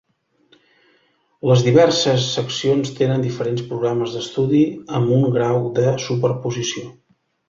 Les diverses seccions tenen diferents programes d'estudi amb un grau de superposició.